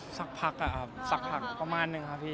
สักพักเขามากนึงฮะพี่